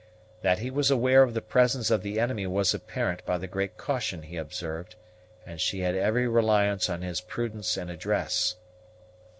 That he was aware of the presence of the enemy was apparent by the great caution he observed, and she had every reliance on his prudence and address.